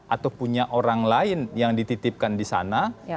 atau punya orang lain yang dititipkan di sana